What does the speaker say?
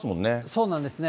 そうなんですね。